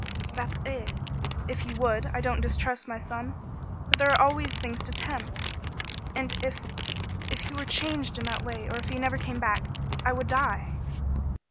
"That's it. If he would, I don't distrust my son, but there are always things to tempt, and if if he were changed in that way, or if he never came back, I would die."